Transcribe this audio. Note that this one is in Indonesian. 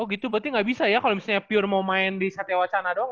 oh gitu berarti ga bisa ya kalo misalnya pure mau main di satewacana dong